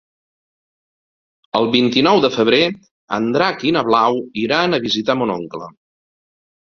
El vint-i-nou de febrer en Drac i na Blau iran a visitar mon oncle.